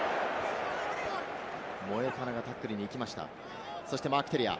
モエファナがタックルに行きました。